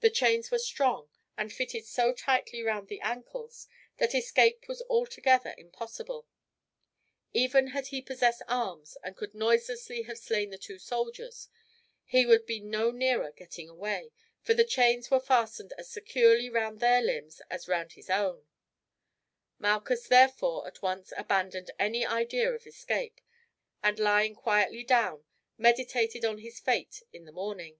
The chains were strong, and fitted so tightly round the ankles that escape was altogether impossible. Even had he possessed arms and could noiselessly have slain the two soldiers, he would be no nearer getting away, for the chains were fastened as securely round their limbs as round his own. Malchus, therefore, at once abandoned any idea of escape, and lying quietly down meditated on his fate in the morning.